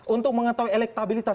untuk mengetahui elektabilitas